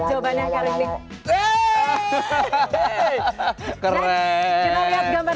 kita lihat gambar berikutnya